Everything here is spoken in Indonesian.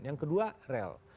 yang kedua rel